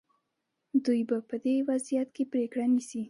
دوی به په دې وضعیت کې پرېکړه نیسي.